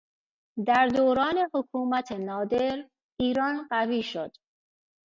در دوران حکومت نادر ایران قوی شد.